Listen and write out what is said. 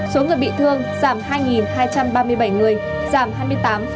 số người bị thương giảm hai hai trăm ba mươi bảy người giảm hai mươi tám